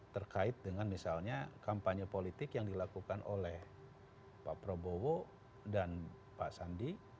terkait dengan misalnya kampanye politik yang dilakukan oleh pak prabowo dan pak sandi